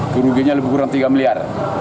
kerugiannya lebih kurang tiga miliar